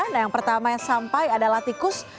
nah yang pertama yang sampai adalah tikus